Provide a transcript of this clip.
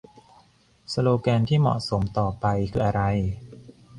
สโลแกนที่เหมาะสมต่อไปคืออะไร ?